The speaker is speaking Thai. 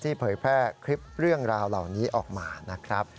เผยแพร่คลิปเรื่องราวเหล่านี้ออกมานะครับ